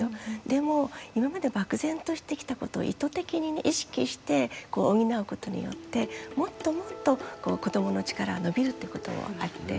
でも今まで漠然としてきたことを意図的に意識して補うことによってもっともっと子どもの力は伸びるってこともあって。